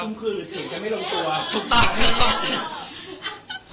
คุมเคลือถือไม่ลงตัวถูกต่อครับ